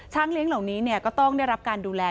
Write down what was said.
เลี้ยงเหล่านี้ก็ต้องได้รับการดูแล